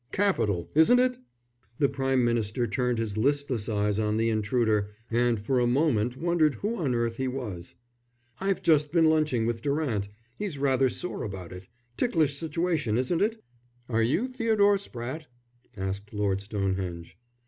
"Capital, isn't it?" The Prime Minister turned his listless eyes on the intruder and for a moment wondered who on earth he was. "I've just been lunching with Durant. He's rather sore about it. Ticklish situation, isn't it?" "Are you Theodore Spratte?" asked Lord Stonehenge.